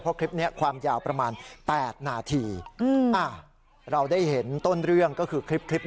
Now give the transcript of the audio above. เพราะคลิปนี้ความยาวประมาณ๘นาทีเราได้เห็นต้นเรื่องก็คือคลิป